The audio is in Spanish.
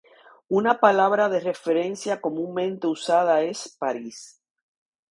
Una palabra de referencia comúnmente usada es "París".